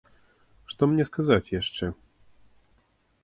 Што мне сказаць яшчэ?